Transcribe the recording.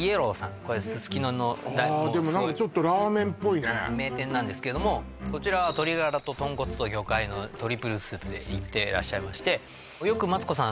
これすすきののあでもちょっとラーメンっぽいね名店なんですけれどもこちらは鶏ガラと豚骨と魚介のトリプルスープでいってらっしゃいましてよくマツコさん